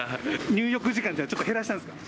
入浴時間はじゃあ、ちょっと減らしたんですか？